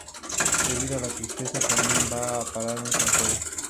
Debido a la tristeza Carmen va a parar a un sanatorio.